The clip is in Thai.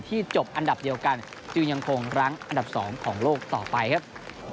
จบอันดับเดียวกันจึงยังคงรั้งอันดับ๒ของโลกต่อไปครับ